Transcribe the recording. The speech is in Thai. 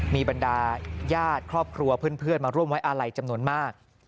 มีบรรดาญาติครอบครัวเพื่อนมาร่วมไว้อาลัยจำนวนมาก